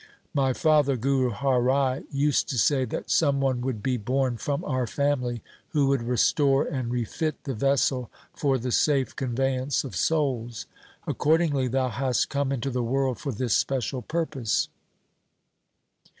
My father Guru Har Rai used to say that some one would be born from our family who would restore and refit the vessel for the safe conveyance of souls. Accord ingly thou hast come into the world for this special purpose.'